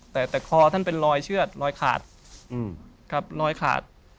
แต่คอท่านเป็นลอยเชือดลอยขาด